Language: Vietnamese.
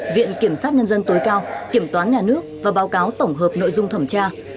viện kiểm sát nhân dân tối cao kiểm toán nhà nước và báo cáo tổng hợp nội dung thẩm tra